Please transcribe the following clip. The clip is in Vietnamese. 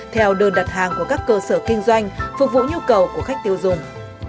theo đơn đặt hàng của các cơ sở kinh doanh phục vụ nhu cầu của khách tiêu dùng